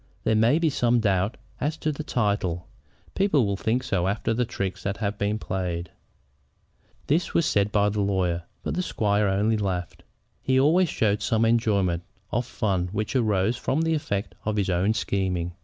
There may be some doubt as to the title. People will think so after the tricks that have been played." This was said by the lawyer; but the squire only laughed. He always showed some enjoyment of the fun which arose from the effects of his own scheming.